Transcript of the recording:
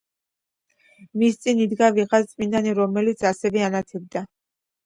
მის წინ იდგა ვიღაც წმინდანი, რომელიც ასევე ანათებდა.